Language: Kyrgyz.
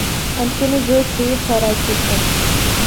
Анткени жөө чыйыр тарайып кеткен.